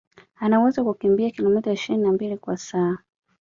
Ana uwezo wa kukimbia kilometa ishirini na mbili kwa saa